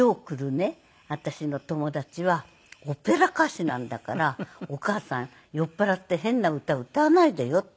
私の友達はオペラ歌手なんだからお母さん酔っ払って変な歌歌わないでよ」って。